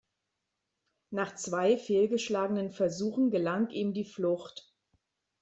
Nach zwei fehlgeschlagenen Versuchen gelang ihm die Flucht.